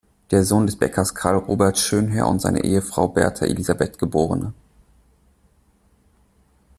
Der Sohn des Bäckers Carl Robert Schönherr und seiner Ehefrau Berta Elisabeth geb.